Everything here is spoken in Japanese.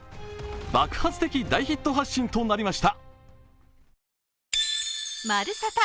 爆発的大ヒット発進となりました。